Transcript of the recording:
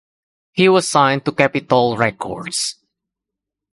He was signed to Capitol Records.